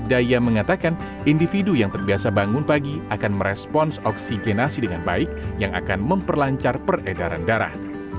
daya mengatakan individu yang terbiasa bangun pagi akan merespons oksigenasi dengan baik yang akan memperlancar peredaran darah